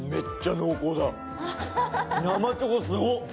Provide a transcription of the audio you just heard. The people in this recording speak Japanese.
生チョコすごっ！